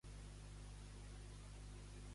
La vida de Folos com va acabar?